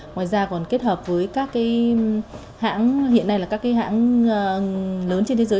ngoài ra còn kết hợp với các hãng hiện nay là các hãng lớn trên thế giới